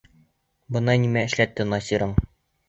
Бына нимә эшләтте Насирың!..